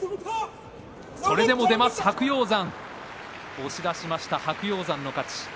押し出しました白鷹山の勝ち。